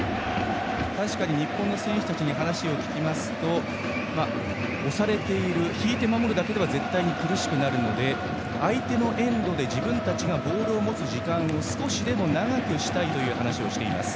確かに日本の選手たちに話を聞くと押されている引いて守るだけでは絶対に苦しくなるので相手のエンドで自分たちがボールを持つ時間を少しでも長くしたいという話をしています。